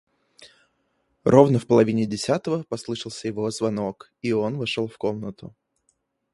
Ровно в половине десятого послышался его звонок, и он вошел в комнату.